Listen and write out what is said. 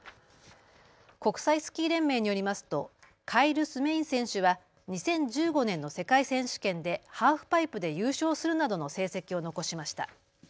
国際スキー連盟によりますとカイル・スメイン選手は２０１５年の世界選手権でハーフパイプで優勝するなどの成績を残しました。